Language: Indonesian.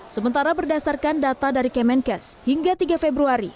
sementara berdasarkan data dari kemenkes hingga tiga februari